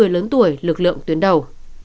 lực lượng tuyến đầu